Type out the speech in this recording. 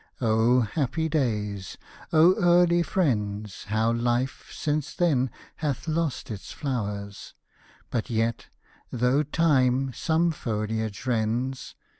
O happy days, O early friends How Life, since then, hath lost its flowers I But yet — though Time some foliage rends.